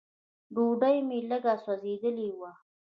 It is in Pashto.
ډوډۍ مې لږ سوځېدلې وه.